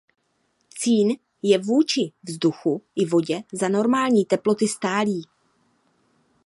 Cín je vůči vzduchu i vodě za normální teploty stálý.